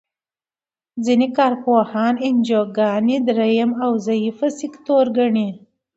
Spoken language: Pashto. ځینې کار پوهان انجوګانې دریم او ضعیفه سکتور ګڼي.